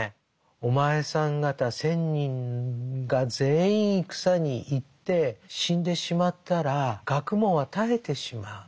「お前さん方千人が全員戦に行って死んでしまったら学問は絶えてしまう。